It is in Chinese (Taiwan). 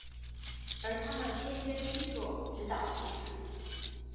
而他們簽約契作，指導技術